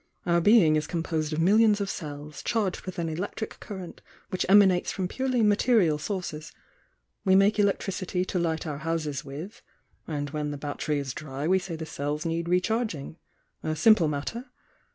Our being is composed of mil lions of cells, charged with an electric current which emanates from purely material sources. We make electricity to light our houses with— and when the battery is dry we say the cells need recharging— a simple matter.